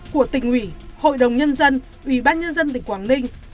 của tỉnh ủy hội đồng nhân dân ủy ban nhân dân tỉnh quảng ninh